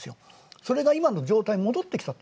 それが今の状態に戻ってきた。